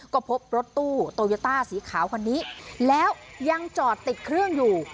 ก็พบรถตู้โตโยต้าสีขาวคันนี้แล้วยังจอดติดเครื่องอยู่